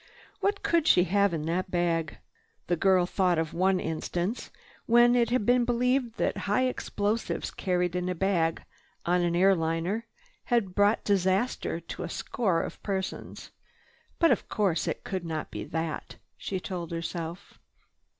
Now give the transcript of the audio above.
What could she have in that bag? The girl thought of one instance when it had been believed that high explosives carried in a bag on an air liner had brought disaster to a score of persons. "But of course it would not be that," she told herself.